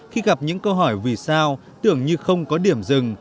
khi gặp những câu hỏi vì sao tưởng như không có điểm dừng